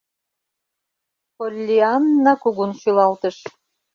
Поллианна кугун шӱлалтыш.